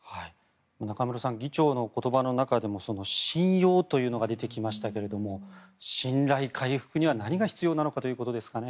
中室さん議長の言葉の中でも信用というのが出てきましたが信頼回復には何が必要なのかということですかね。